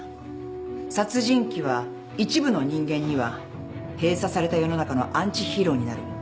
殺人鬼は一部の人間には閉鎖された世の中のアンチヒーローになる。